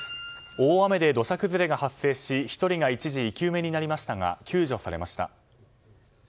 大雨で土砂崩れが発生し、１人が一時生き埋めになりましたが救助されました。